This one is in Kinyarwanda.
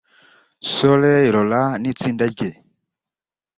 Soleil Laurent n’itsinda rye